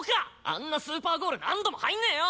あんなスーパーゴール何度も入んねえよ！